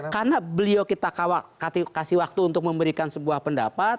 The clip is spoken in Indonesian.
karena beliau kita kasih waktu untuk memberikan sebuah pendapat